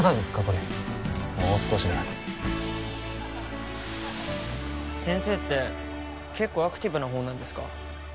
これもう少しだ先生って結構アクティブな方なんですか？